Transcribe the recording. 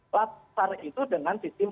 pasal itu dengan sistem